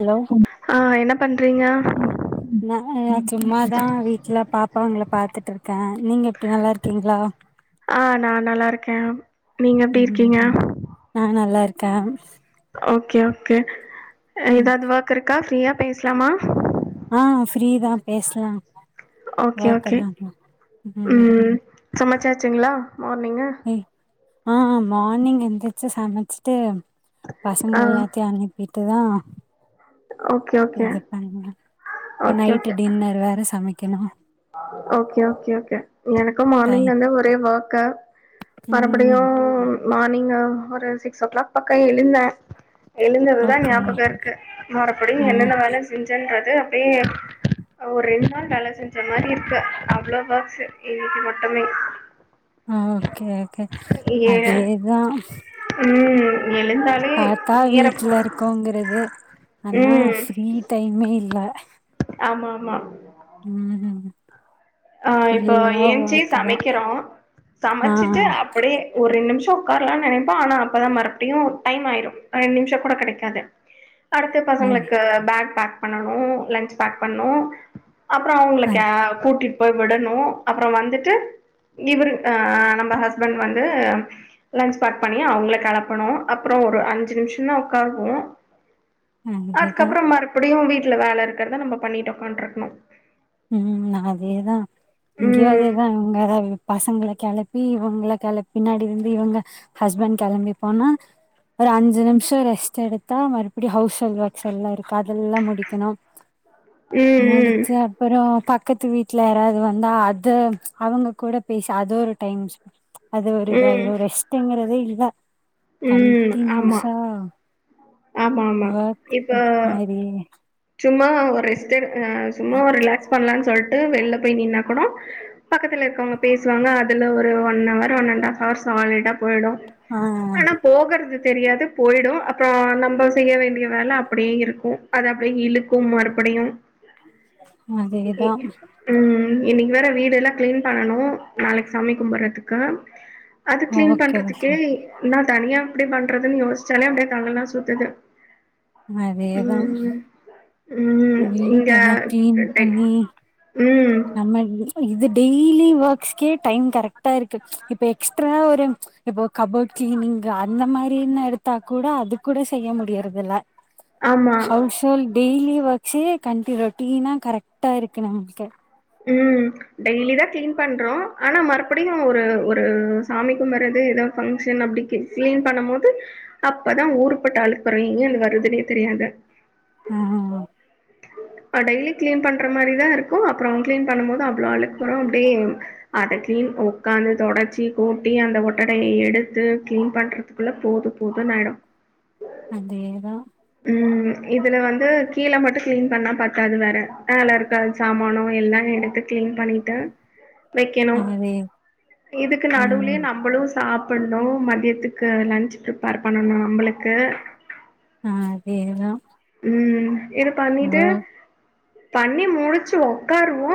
Hello ஆ என்ன பண்றங்க ந சும்மாதா வீட்ல பாப்பாங்ள பாத்துட்ருக்க நீங்க எப்டி நல்லா இருக்கீங்ளா ஆ நா நல்லாருக்க நீங்க எப்டி ம் இருக்கீங்க நா நல்லா இருக்க ஓகே ஓகே ம் எதாவது ஒர்க் இருக்கா ஃப்ரீயா பேசலாமா ஆ ஃப்ரீதா பேசலா ஓகே ஓகே ஒர்க்கெல்லா ம் சமச்சாச்சிங்ளா மார்னிங்கு ஏய் ஆ மார்னிங் எந்திரிச்சி சமச்சிட்டு பசங்க ஆ எல்லாத்தையு அனுப் பிட்டு தா ஓ இது பண்ண இப்ப ஓகே நைட்டு் டின்னர் வேற சமைக்கணு ஓகே ஓகே ஓகே எனக்குமார்னிங் டைம் வந்து ஒரே ஒர்க்க மறுபடியு ம் மார்னிங் ஒரு சிக்ஸ் ஓ கிளாக் பக்க எழுந்த எழுந்ததுதா ஓகே ஞாபகோ இருக்கு மறுபடி ஆ என்னென்ன வேல செஞ்சன்றது அப்டியே ஒரு ரெண்டு நாள் வேல செஞ் மாரி இருக்க அவ்ளோ ஓர்க்ஸ் இன்னைக்கு மட்டுமே ஆ ஓகே ஓகே ஏ அதேதா ம் எழுந்தாள் பாத்தா வீட்ல இருக்கோங்கிறது ஆனா ம் ஃப்ரீ டைமே இல்ல ஆமா ஆமா ம் ஆ இப்போ ஃபுல்லா ஏன்ச்சி வாக்கு தான். சமைக்கிறோ ஆ சமைச்சிட்டு அப்படியே ஒரு நிமிசோ உக்காரலா நெனைப்ப ஆனா அப்போ தா மறுபடியு டைம் ஆயிரு ரெண்டு நிமிஷோ கூட கெடைக்காது அடுத்து அது பசங்களுக்கு பேக் பேக் பண்ணனு லன்ச் பேக் பண்ணு அப்புறோ அவங்களுக்க அது கூட்டிட்டு போய் விடணு அப்புறோ வந்துட்டு இவர் அ நம்ம ஹஸ்பண்ட் வந்து லஞ்ச் பேக்பண்ணி அவங்கள களப்பணு அப்புறோ ஒரு அஞ்சி நிமிஷோ தா உக்காருவோ அதேதான். அதுக்கப்புறோ மறுபடியு வீட்ல வேல இருக்கிறதா நம்ம பண்ணிட்டு உக்காந்துட்ருக்கணு ம் நா அதேதா இங்கியு அதே ம் தா இதா இவங்க பசங்கள கிளப்பி இவங்க கிள பின்னாடி வந்து இவங்க ஹஸ்பண்ட் கிளம்பி போனா ஒரு அஞ்சு நிம்ஷோ ரெஸ்ட் எடுத்தா மறுபடி ஹவுஸ் ஹெல் ஒர்க்ஸ் எல்லா இருக்கு அதெல்லா முடிக்கணு ம் ம் முடிச்சா அப்பறோ பக்கத்து வீட்ல யாராவ்து வந்தா அத அவங்க கூட பேச அது ஒரு டைம் அது ஒரு இதா ம் ஆய்ரு ரெஸ்ட்டுங்கறதே இல்ல ம் ஆமா கன்ட்டினியூஸா ஆமா ஆமா ஒர்க் இப்ப மாரி சும்மா ஒரு ரெஸ்ட்டெடுக் அ சும்மா ஒரு ரிலாக்ஸ் பண்லான் சொல்ட்டு வெள்ல போய் நின்னா கூட பக்கத்துல இருக்கவங்க பேசுவாங்க அதுல ஒரு one hour one and half hour சாலிடா போயிடோ ஆ ஆனா போகற்து தெரியாது போயிடோ அப் றோ நம்ப செய்ய வேண்டிய வேல அப்டியே இருக்கோ அது அப்டியே இழுக்கு மறுபடியு அதுக்கு தா ம் இன்னைக்கு வேற வீடெல்லா கிளீன் பண்ணனு நாளைக்கு சாமி கும்பறதுக்கு அது க்ளின் ஓகே பண்றதுக்கே ஓகே நா தனியா எப்டி பண்றதுன் யோசிச்சாலே அப்டியே தலலா சுத்துது அதே தா ம் ம் இங்க வீட்டல்லா கிளீன் டெக் பண்ணி ம் நம்ம இது டெய்லி ஒர்க்ஸ்க்கே டைம் கரெக்ட்டா இருக்கு இப்ப எக்ஸ்ட்ரா ஒரு இப்போ கபோர்ட் கிளீனிங் அந்த மாரீன்னு எடுத்தா கூட அது கூட செய்ய முடியறதுல ஆமா ஹவுஸ் கேள் டெய்லி வச்சி [unintelligible] க்ளீன்னா கரெக்டா இருக்கு நம் கிட்ட ஆ டெய்லி தா கிளீன் பண்றோ ஆனா மறுபடியு ஒரு ஒரு சாமி கும்பறது ஏதோ பங்க்ஷன் அப்டிக்கு க்ளீன் பண்ண மோது அப்பதா ஊருபட்ட அழுக்கு வரு எங்கேந்து வருதுன்னே தெரியாது ஆ டெய்லி கிளீன் பண்ற மாரிதா இருக்கோ அப் ப்றோ கிளீன் பண்ணும்மோது அவ்ளோ அழுக்குட அப்டியே அத கிளீன் உக்காந்து தொடச்சி கூட்டி அந்த ஒட்டடைய எடுத்து கிளீன் பண்ற துக்குள்ள போது போதுன் ஆய்டோ அதேதா ம் இதுல வந்து கீழ மட்டோ கிளீன் பண்ணா பத்தாது வேற ஆ எல்லா இருக்க சாமானோ எல்லா எடுத்து க்ளின் பண்ணிட்டு வெக்கணோ அதே இதுக்கு நடுவுலயே ம் நம்புளோ சாப் பன்னோ மதியத்துக்கு லன்ச் ப்ரிப்பேர் பண்ணணோ நம்பளுக்கு ஆ கேக்குதா ம் இது பண்ணிட்டு பண்ணி முடிச்சி ஒக்காருவோ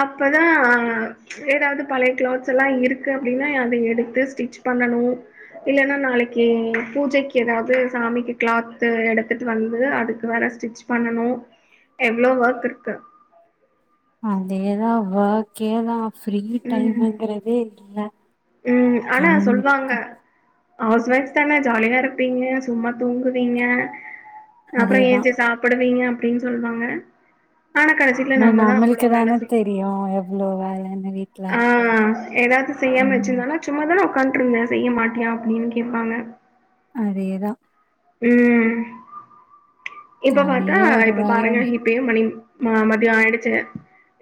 அப்போ தா வாங்க சேராத பழைய கிளாத்ஸ்ல்லா இருக்கு அப்டின்னா அத எடுத்து ஸ்டிச் பண்ணனோ இல்லன்னா நாளைக்கு பூஜைக்கு எதாவ்து சாமிக்கு கிளாத்து எடுத் த்துட்டு வந்து அதுக்கு வேற ஸ்டிச் பண்ணனோ எவ்ளோ ஒர்க் இருக்கு அதேயே தா ஓர்க் கேதா ஃப்ரீ ம் டைம்ங்கிறதே இல்ல வாங்க ஹவுஸ் ஒய்ஃப்ஸ் தான ஜாலியா இருப்பீங்க சும்மா தூங்குவீங்க அப்றோ அதேதான் ஏஞ்சி சாப் புடுவீங்க அப்டின் சொல்வாங்க ஆனா கடைசில நம்ம தா அவ்ளோ வேல செய்வோ அப்டியா எவ்ளோ வேலன்னு வீட் ஆ எதாவ்து செய்யாம வச்சிருந்தாலா சும்மாதானே ஒக்காந்ட்ருந்த செய்ய மாட்டியா அப்டின்னு கேப்பாங்க அதேதா ம் இப்போ அதே பாத்தா ஒரு இப்ப வேலை பாருங்க இப்பே மணி மதியோ ஆயிடுச்சிங்க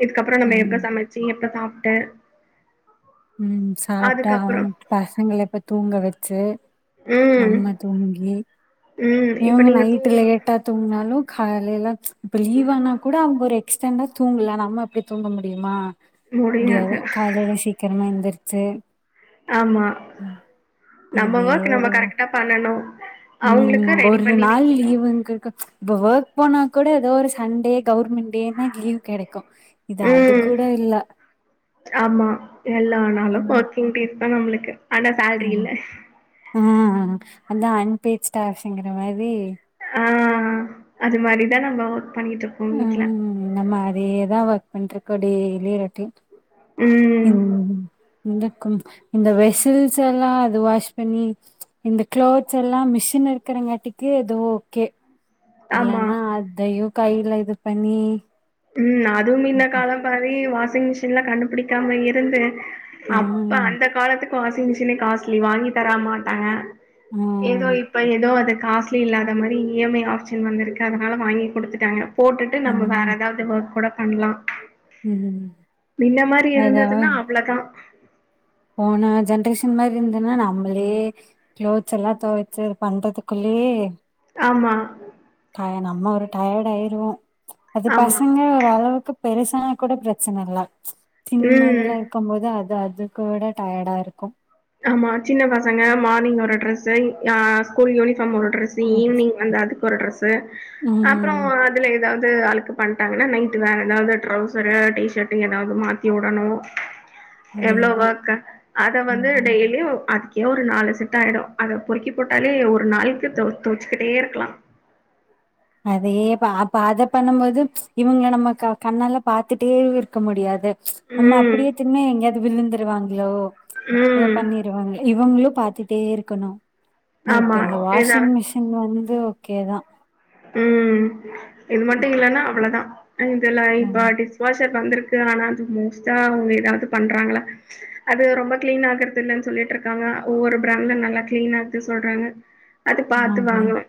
இதுக்கப்பறோ நம்ம எப்ப ம் சமைச்சி எப்ப சாப்ட்டு ம் சாப்ட்டா அவங் அதுக்கப்புறம் பசங்கள எப்ப தூங்க வச்சி ம். நம்ம தூங்கி ம். இப்ப இவங்க நீங்க நைட் தூங்க லேட்டா தூங்கினாலோ காலையில இப்ப லீவ் ஆனா கூட அவங்க ஒரு இஷ்டோ இருந்தா தூங்கலா நம்ம அப்டி தூங்க முடியுமா முடியாது காலைல சீக் க்கரமா எந்திருச்சி ஆமா நம்ம இதே ஒர்க் நம்ம ஒரு கரெக்டா பண்ணணு அவங்களுக்கு ம் ரெடி ஒரு பண்ணி நாள் விக்கணு லீவுங்க இருக்கு இப்ப ஒர்க் போனா கூட ஏதோ ஒரு சண்டே கவர்மெண்ட் டேனா லீவ் கெடைக்கோ ம் ஆமா எல்லா நாலோ ம். ஓக் டூட்டி இப்ப நம்மளுக்கு ஆனா சேல்ரி ம். இல்ல ஆ அதா அன்பேச்ட்டு அப்டிங்கற மாரி ஆ அது மாரி தா நம்ம ஒர்க் பண்ணிட்டு இருக்கோ வீட்ல இந்த மாரியே தா வைப்பேன்றுக்கு டெய்லி ரொட்டின் ம் ம் க்கும் இந்த வெசில்ஸ் எல்லா அது வாஷ் பண்ணி இந்த க்ளாத்ஸ் எல்லா மிஷின் இருக்கிறங்காட்டிக்கு எதோ ஓகே ஆமா இல்லன்னா அதையு கையில இது பண்ணி ம் அதும் இந்த ம். காலோ மாரி வாஷிங் மிஷின்லா கண்டுபுடிக்காம இருந்து அப்ப ம். அந்த காலத்துக்கு வாசிங்மிஸுனு காஸ்லி வாங்கி தர மாட்டாங்க ஏதோ இப்ப ஏதோ அது காசு சே இல்லாத மாரி இ எம் ஐ ஆப்ஷன் வந்து இருக்கு அதனால வாங்கி குடுத்துட்டாங்க போட்டுட்டு நம்ம வேற ம். ஏதாவது இல்ல ஒர்க் கூட பண்ணலா ம். இந்த மாரி அதாவது இருந்துன்னா அவ்ளோ தா போன ஜென்ரேஷன் மாரி இருந்ததுன்னா நம்மளே க்ளோத்ஸ் எல்லா துவைச்சி பண்றதுக்குள்ளயே ஆமா அத நம்ம ஒரு டயர்ட் ஆயிருவோ அது ஆமா பசங்க ஒருளவுக்கு பெருசானா கூட பிரச்சனை இல்ல ம் சின்னதல்லா இருக்கும் போது அது அது கூட டயர்டா இருக்கும் ஆமா சின்ன பசங்க மார்னிங் ஒரு டிரெஸ் ஆ ஸ்கூல் யூனிபார்ம் ஒரு ட்ரெஸ் ம். ஈவினிங் வந்து அதுக்கு ஒரு டிரெஸ் அப்பறோ ம். அ அதுல ஏதாவது அழுக்கு பண்ட்டாங்கன்னா நைட்டு வேற ஏதாவது ட்ரௌசர் டிஷட்டு ஏதாவது மாத்தி உடணும் எவ்ளோ அதேதான். ஒர்க்க அத வந் ம். அதுலயே ஒ அத்தே ஒரு நாலு செட்டாயிடும் அத பொறுக்கி போட்டாலே ஒரு நாளைக்கு தோச்சுக்கிட்டே இருக்கலாம் அதேயே அப்ப அத பண்ணும் போது இவங்கள நம்ம கண்ணால பாரத்துட்டே இருக்க முடியாது ஆம்மா ம். அப்டியேதுமே எங்கயாவது விழுந்துருவாங்களலோ ஏதே ம். பண்ணி இவங்களே இவங்களும் பாத்துட்டே இருக்கணும் இப்ப ஆமா. இந்த வாஷிங் ஏதா மிஷின் இங்க வந்து ஓகே தான் ம் இது மட்டும் இல்லன்னா அவ்ளோ தான் இதல்லாம் இந்த லைப் ம். ஆர்டிஸ் வாஷர் வந்திருக்கு ஆனா அது மோஸ்ட்டா அவங்க ஏதாவது பண்றாங்களா அது ரொம்ப கிளீன் ஆகுறது இல்லன்னு சொல்லிட்டு இருக்காங்க ஒவ்வொரு பிராண்ட்ல நல்லா கிளீன் ஆகுது சொல்றாங்க அது பாத்து ஆதே வாங்கணு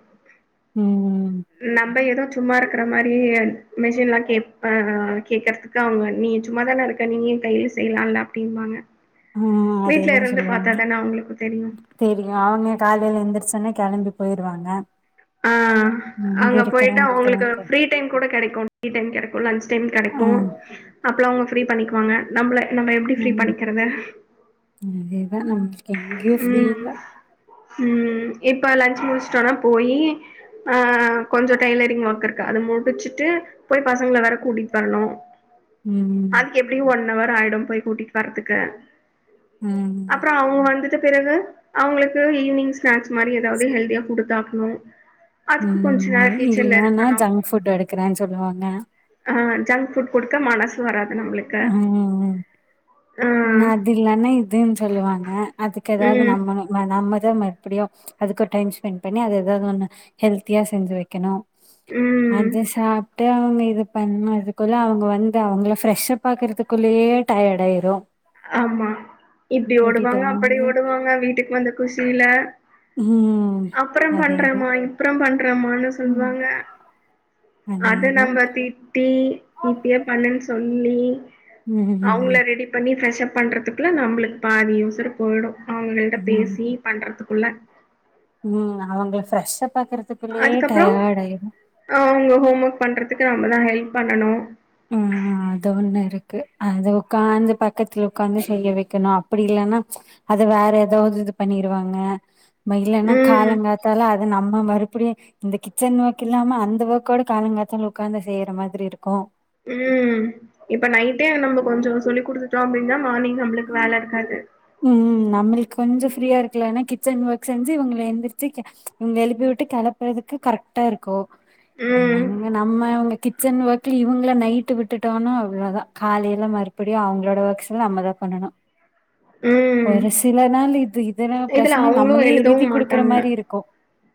ம் ம் நம்ம ஏதோ சும்மா இருக்கற மாரி மிஷின்லாம் கேப் கேக்கறதுக் க்கா அவங்க நீ சும்மாதானே இருக்க நீய்யு கையில செய்லால்ல அப்டின்பாங்க ம். வீட்டு்ல இருந்து பாத்தாதானே அவுங்களுக்கு தெரியு தெரியு அவங்க காலையில எந்திரச்சுன்ன கெளம்பி போயிருவாங்க ஆ இங்க அங்க போய்ட்டு இருக்கிறவங்களுக்கு அவங்களுக்கு தான் தெரி ஃப்ரீ டைம் கூட கெடைக்கு டீ டைம் கெடைக்கு லஞ்ன்ச் டைம் கெடைக்கு ம். அப்பலா அவங்க ஃப்ரீ பண்ணிக்குவாங்க நம்மள நம்ம எப்படி ஃப்ரீ பண்ணிக்கிறது அதே நம் ம் ம் இப்ப லன்ச் முடுஸ்டோனா போயி ஆ கொஞ்ச டைலரிங் ஒர்க் இருக்கு அத முடிச்சுட்டு போய் பசங்கள வேற கூட்டிட் வர்ணு ம் எப்படியு ஒன் அவர் ஆயிடு போய் கூட்டிட் வரதுக்கு ம். அப்புறோ அவங்க வந்து ச்ச பிறகு அவ்ங்களுக்கு ஈவினிங் ஸ்நாக்ஸ் மாரி எதாவது ஹெல்தியா குடுத்தாக்குவே ம் இல்லன்னா இருக்கணும். ஜங்க் ஃபுட் எடுக்கறேன் சொல்லுவாங்க ஆ ஜங்க் ஃபுட் குடுக்க மனசு வராது நம்மளுக்கு ஆ ன அது இல்லானா இதுன் சொல்லுவாங்க அதுக்கு எதாவது ம் நம்ப [unintelligible] ந நம்மதா மப்படியு அதுக்கு ஓர் டைம் ஸ்பெண் பண்ணி அது எதாவது ஒன்னு ஹெல்தியா செஞ்சு வைக்கணு ம் அத சாப்ட்டு அவங்க இது பண்ணதுக்குள்ள அவங்க வந்து அவங்கள ஃப்ரெஷ்ஷப் பாக்கறதுக்குள்ளேயே டயார்ட் ஆயிரு ஆமா இப்டி ஓடுவாங்க அப்படி வந்து ஓடுவாங்க வீட்டுக்கு வந்த குசியில ம். அப்பறம் பண்றேம்மா அதேதான். இ ப்பறம் பண்றேமான்னு ம். சொல்வாங்க அது அதேதான். நம்ப தி ட்டி இப்பியே பண்ணுன் சொல்லி ம். அவங்கள ம். ரெடி பண்ணி ஃப்ரெஷ் அப் பண்றதுக்குள்ள நம்பளுக் பாதி உசுரு போயிடு அவங்கள்ட்ட ம். பேசி பண்றதுக்குள்ள ம் அவங்கல ஃரெஷ்ப் ஆக்குறதுக் அதுக்கப்பறோ அவங்க ஹோம் ஒர்க் பண்றதுக்கு நம்மதா ஹெல்ப் பண்ணனு ஆ அது ஒண்ணு இருக்கு அது உக்காந்து பக்கத்துல உகாந்து செய்ய வெக்கணு அப்படி இல்லன்னா அத வேற எதாவது இது பண்ணிருவாங்க மயிஇலன்னா ம் காலங்காத்தால அது நம்ம மறுபடியு இந்த கிச்சன் ஒர்க் இல்லாம அந்த ஒர்க்கோட காலங்காத்தால உக்காந்து செய்யற மாதிரி இருக்கு ம் இப்ப நைட்டே நம்ப கொஞ்சோ சொல்லி் குடுத்துட்டோ அப்படின்னா மார்னிங் நம்மளுக் வேல இருக்காது ம் நம்மளுக் கொஞ்ச ஃப்ரீயா இருக்கலான்னா கிச்சன் ஒர்க் செஞ்சு இவங்கல எந்திரிச்சு ங்க எழுப்பி விட்டு கெளப்பறதுக்கு கரெக்ட்டா இருக்கு ம் இவங்க நம்ம அவங்க கிட் சன் ஒர்க்ல இவங்கள நைட்டு விட்டுட்டோன்னா அவ்ளதா காலையில மறுபடியு அவ்ங்களோட ஒர்க்ஸ்ல்லா நம்ம தா பண்ணணு ம் ஒரு சில நாள் இது இதெல்ல இதுல பிரச்சனை அவங்களு நம்மளே எழுதவு எழுதி குடுக்குற மாட்டாங்க மாரி இருக்கு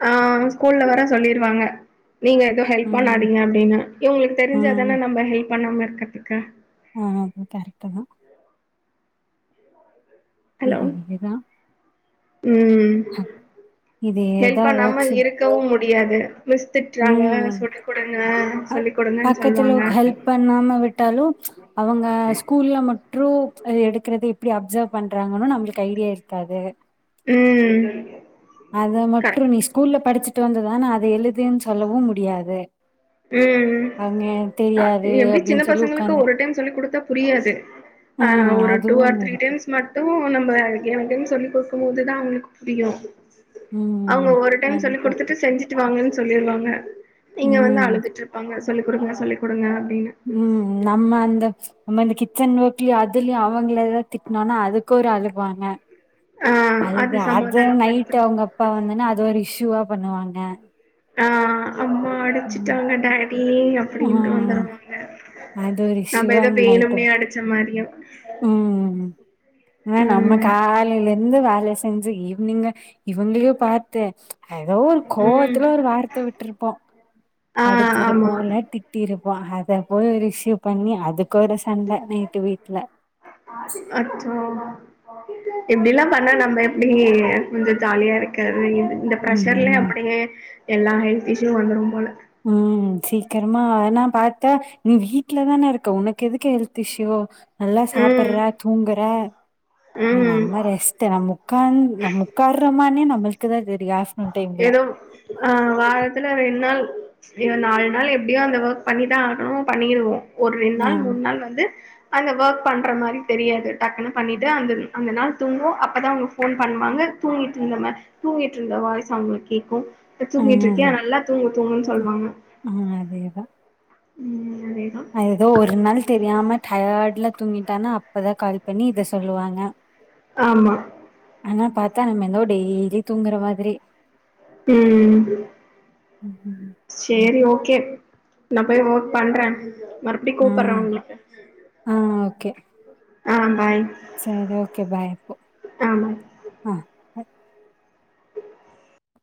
ஆ ஸ்கூல்ல வேர சொல்லிருவாங்க எது ஹெல்ப் ம். பண்ணாதீங்க அப்டின்னு இவங்களுக்கு ம். தெரிஞ்சாதானே நம்ப ஹெல்ப் பண்ணாம இருக்கறதுக்கு ஆ கரெக்ட் தன ஹலோ இதே தான் ம் இதே ஹெல்ப் தான் பண்ணாம ஒர்க்ஸ் இருக் கவு முடியாது மிஸ் திட்றாங்க ம். சொல்லி கொடுங்க அ சொல்லி கொடுங்கன் பக்கத்துல சொல்வாங்க ஹெல்ப் பண்ணாம விட்டாலும் அவங்க ஸ்கூல்ல மட் ட்ரூப் எடுக்கறது எப்டி அப்சர்வ் பண்றாங்கன்னு நம்மளுக்கு ஐடியா இருக்காது ம் அத மட்டு கரெக்ட் நீ ஸ்கூல்ல படிச்சுட்டு வந்த தான அத எழுதுன் சொல்லவு முடியாது ம் அவங்க அ தெரியாது எப்டி சின்ன அப்படின்னு சொல்லி பசங்களுக்கு உட்காந்துட் ஒரு டைம் சொல்லிக் குடுத்தா புரியாது ஆ ம். ஒரு அது டூ ஆர் ஒண்ணு த்ரீ இருக்கு. டைம்ஸ் மட்டு நம்ம [unintelligible] சொல்லி் குடுக்கும் போது தா அவங்களுக்கு புரியு அவங்க ம். ஒரு டைம் அது சொல்லி பாட்டு குடுத்துட்டு செஞ்சு ட்டு வாங்கன் சொல்லிருவாங்க இங்க வந்து ம். அழுத்துட்டு இருப்பாங்க சொல்லிக் குடுங்க சொல்லி குடுங்க அப்டின்னு ம் நம்ம அந்த நம்மந்த கிச்சன் வோர்க்லியு அதுலயு அவங்கள எதாவது திட் னோன்னா அதுக்கு ஒரு அழுகுவாங்க ஆ அது அல்லது அத நைட் சமாதானப்படுத்தணும். அவங்க அப்பா வந்தன்னா அது இஷூவா பண்ணுவாங்க ஆ அம்மா ம் அடிச்சுட்டாங்க டாடி அப் டின்ட்டு ம் வந்துருவாங்க அது ஒரு நம்ம இஷ்யூவா எதோ நைட்டு வேணும்னே அடிச்ச மாதிரியோ ம் வேணா நம்ம ம் காலையிலே ந்து வேல செஞ்சு ஈவ்னிங்கா இவங்களையு பாத்து எதோ ஒரு ம். கோவத்துல ஒரு வார்த்த விட்டுருப்போ ஆ அடிச்சி இருபோ ஆமா. இல்ல திட் டி இருப்போ அத போய் ஒரு இஷுயூ பண்ணி அதுக்கு ஒரு சண்ட நைட்டு வீட்ல அச்சோ இப்டிலா பண்ணா நம்ம எப்டி கொஞ்சொ ஜாலியா இருக்கறது இ ந்த ப்ரஷர்லேயே ம் அப்டியே எல்லா ஹெல்த் இஸ்யூ வந்துரும் போல ம் சீக்கிரமா அனா பாத்த நீ வீட்லதானே இருக்க உனக்கு எதுக்கு ஹெல்த் இஷ்யூ நல்லா ம் சாப்பறா தூங்கறா ம் நம்ம ரெஸ் டு நம் உக்காந் நம் உக்காறமானே நம்மளுக்குதா தெரியு ஆஸ் ஏதோ ஆ வாரத்துல ரெண் நாள் இன்னு நால் நாள்ல எப்டியோ அந்த ஒர்க் பண்ணிதா ஆகணு பண்ணிருவோ ஒரு ரெண் ஆ நாள் மூன் நாள் வந்து அந்த ஒர்க் பண்ற மாரி தெரியாது டக்குன்னு பண்ணிட்டு அந்த அந்த நாள் தூங்குவோ அப்பதா அவங் போன் பண்ணுவாங்க தூங்கிட்ந்தம தூங்கிட் ருந்த வாய்ஸ் அவுங்குளுக் கேக்கு தூங்கிட் ம் இருக்கயா நல்லா தூங்கு தூங்குன் சொல்வாங்க ஆ அதேதா ம் அதேதா எதோ ஒரு நாள் தெரியாம டயர்ட்ல தூங்கிட்டானா அப்பதா கால் பண்ணி இத சொல்லுவாங்க ஆமா ஆனா பாத்தா நம்ம எதோ டெய்லி தூங்குற மாதிரி ம் ம் செரி ஓகே நா போய் ஓர்க் பண்றே மறுப்டி ஆ கூப்பறாங்க ஆ ஆ பாய் செரி ஓகே பாய் ஆ பாய் ஆ